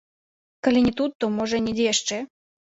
Калі не тут, то можа недзе яшчэ.